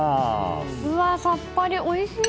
さっぱり、おいしい！